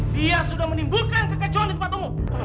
dia sudah menimbulkan kekecohan di tempat temu